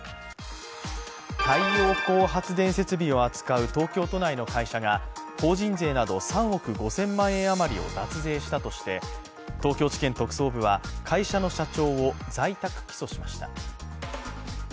太陽光発電設備を扱う東京都内の会社が法人税など３億５０００万円余りを脱税したとして東京地検特捜部は会社の社長を在宅起訴しました。